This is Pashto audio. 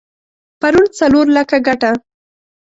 پرون څلور لکه ګټه؛